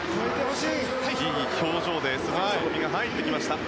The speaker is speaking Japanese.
いい表情で鈴木聡美が入ってきました。